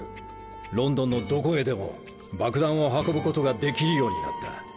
ロンドンのどこへでも爆弾を運ぶことができるようになった。